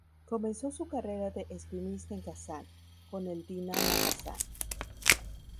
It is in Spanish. Comenzó su carrera de esgrimista en Kazán, con el Dynamo Kazan.